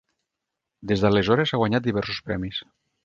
Des d'aleshores ha guanyat diversos premis.